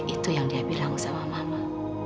itu yang dia bilang sama mama